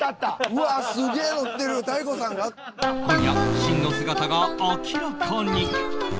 今夜真の姿が明らかに